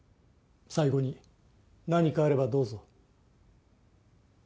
最後に何かあればどうぞ。